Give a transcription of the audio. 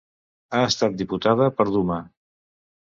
Ha estat diputat per Duma.